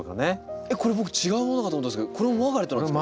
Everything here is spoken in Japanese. これ僕違うものかと思ったんですけどこれもマーガレットなんですか？